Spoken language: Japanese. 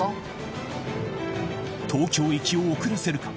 東京行きを遅らせるか？